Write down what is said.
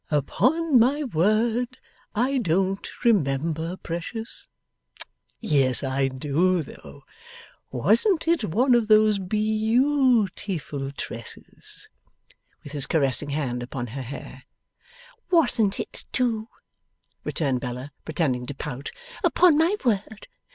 'Upon my word I don't remember, Precious. Yes, I do, though. Wasn't it one of these beau tiful tresses?' with his caressing hand upon her hair. 'Wasn't it, too!' returned Bella, pretending to pout. 'Upon my word!